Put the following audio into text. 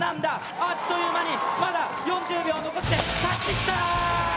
あっという間に、まだ４０秒残してタッチした！